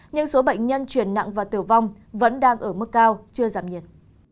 nhưng số bệnh nhân chuyển nặng và tử vong vẫn đang ở mức cao chưa giảm nhiệt